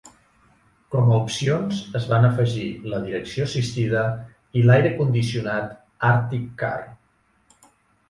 Com a opcions es van afegir la direcció assistida i l'aire condicionat Artic-Kar.